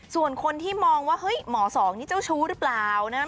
ส่วนคนที่มองว่าเฮ้ยหมอสองนี่เจ้าชู้หรือเปล่านะ